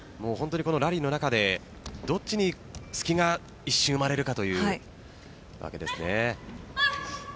ラリーの中で、どっちに隙が一瞬生まれるかというわけですね。